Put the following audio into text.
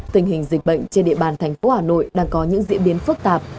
tình hình dịch bệnh trên địa bàn thành phố hà nội đang có những diễn biến phức tạp